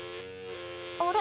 あれ？